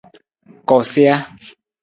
Koosija.